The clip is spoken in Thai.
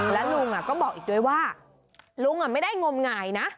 และลุงก็บอกอีกด้วยว่าลุงไม่ได้งมหงายนะ